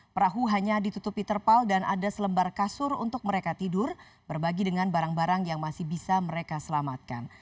perahu hanya ditutupi terpal dan ada selembar kasur untuk mereka tidur berbagi dengan barang barang yang masih bisa mereka selamatkan